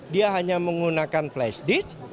dia hanya menggunakan flash disk